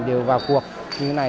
đều vào cuộc như thế này